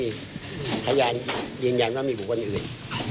ไอ้ที่เว้นเนี่ยที่ในเฟสบุ๊คเว้นเนี่ย